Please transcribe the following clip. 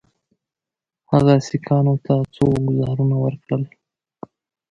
هغه سیکهانو ته څو ګوزارونه ورکړل.